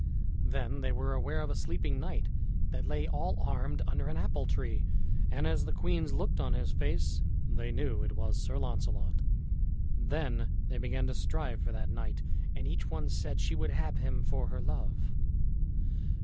Then they were aware of a sleeping knight, that lay all armed under an apple tree; and as the queens looked on his face, they knew it was Sir Launcelot. Then they began to strive for that knight, and each one said she would have him for her love.